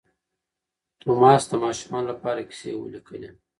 توماس د ماشومانو لپاره کیسې ولیکلې.